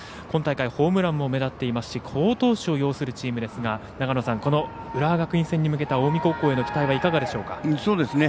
今大会、ホームランも目立っていますし好投手を擁するチームですがこの浦和学院戦に向けた近江高校への期待はいかがでしょか。